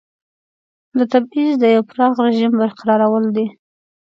د تبعیض د یوه پراخ رژیم برقرارول دي.